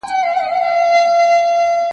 زه اوس د لوبو لپاره وخت نيسم؟!